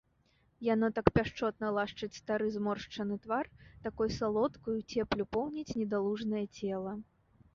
Яно так пяшчотна лашчыць стары зморшчаны твар, такой салодкаю цеплю поўніць недалужнае цела.